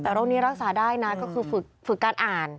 แต่โรคนี้รักษาได้นะก็คือฝึกการอ่าน